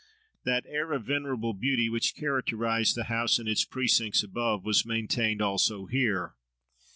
That air of venerable beauty which characterised the house and its precincts above, was maintained also here.